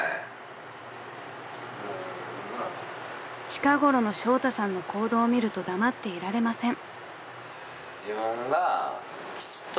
［近ごろのショウタさんの行動を見ると黙っていられません］